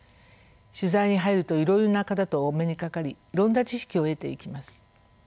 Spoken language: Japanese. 取材に入るといろいろな方とお目にかかりいろんな知識を得ていきます。